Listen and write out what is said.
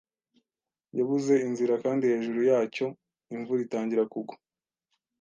Yabuze inzira kandi hejuru yacyo imvura itangira kugwa.